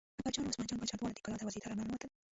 اکبرجان او عثمان جان باچا دواړه د کلا دروازې ته را ننوتل.